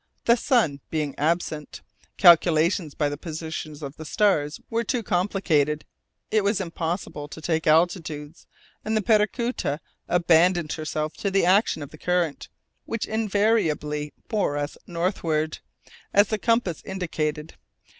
The sun being absent, calculations by the position of the stars was too complicated, it was impossible to take altitudes, and the Paracuta abandoned herself to the action of the current, which invariably bore us northward, as the compass indicated.